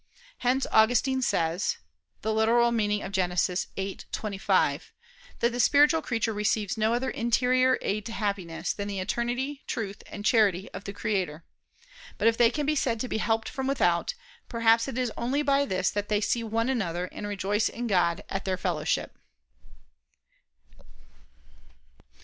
Hence Augustine says (Gen. ad lit. viii, 25) that "the spiritual creatures receive no other interior aid to happiness than the eternity, truth, and charity of the Creator. But if they can be said to be helped from without, perhaps it is only by this that they see one another and rejoice in God, at their fellowship."